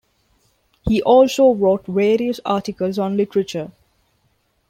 He also wrote various articles on literature.